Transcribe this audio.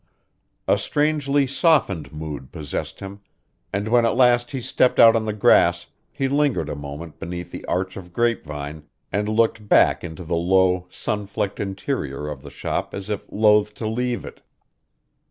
A strangely softened mood possessed him, and when at last he stepped out on the grass he lingered a moment beneath the arch of grapevine and looked back into the low, sun flecked interior of the shop as if loath to leave it.